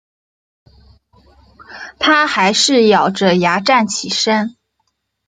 她还是咬著牙站起身